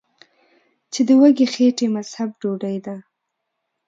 چې د وږې خېټې مذهب ډوډۍ ده ـ